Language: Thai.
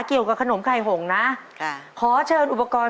เกี่ยวกับขนมไข่หงนะขอเชิญอุปกรณ์